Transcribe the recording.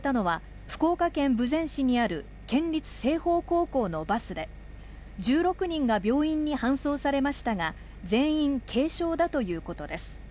追突されたのは福岡県豊前市にある県立青豊高校のバスで１６人が病院に搬送されましたが、全員軽傷だということです。